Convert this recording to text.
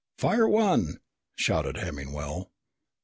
"Fire one!" shouted Hemmingwell.